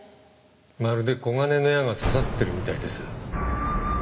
まるで金の矢が刺さってるみたいです。